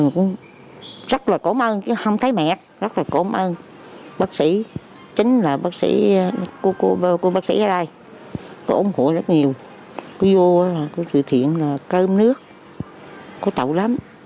cô vô là cô trừ thiện cơm nước cô tẩu lắm